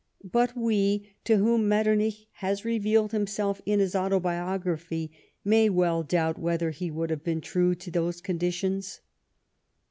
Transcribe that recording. But we, to whom Metternich has revealed himself in his Autobiography, may well doubt whether he would have been true to those conditions.